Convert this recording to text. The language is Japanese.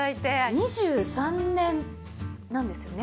２３年なんですよね。